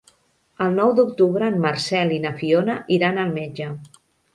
El nou d'octubre en Marcel i na Fiona iran al metge.